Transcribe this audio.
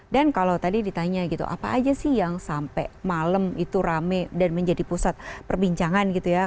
dan kalau tadi ditanya gitu apa aja sih yang sampai malam itu rame dan menjadi pusat perbincangan gitu ya